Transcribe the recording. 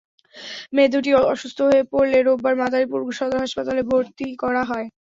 মেয়ে দুটি অসুস্থ হয়ে পড়লে রোববার মাদারীপুর সদর হাসপাতালে ভর্তি করা হয়।